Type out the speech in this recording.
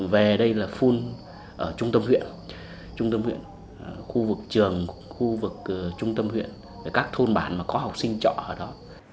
về đây là phun ở trung tâm huyện khu vực trường khu vực trung tâm huyện các thôn bản mà có học sinh chọ ở đó